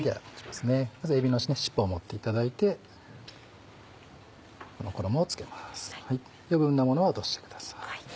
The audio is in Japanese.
まずえびの尻尾を持っていただいてこの衣を付けます余分なものは落としてください。